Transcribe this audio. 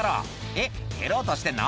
「えっ蹴ろうとしてんの？